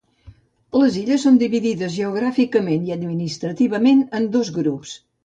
Les illes són dividides geogràficament i administrativament en dos grups.